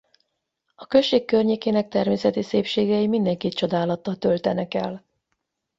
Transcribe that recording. A község környékének természeti szépségei mindenkit csodálattal töltenek el.